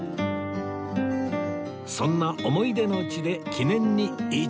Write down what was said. そんな思い出の地で記念に一枚